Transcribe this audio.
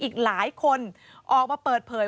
อีกหลายคนออกมาเปิดเผย